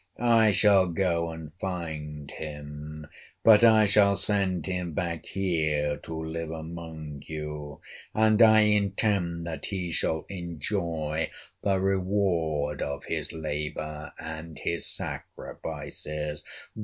I shall go and find him, but I shall send him back here to live among you, and I intend that he shall enjoy the reward of his labor and his sacrifices.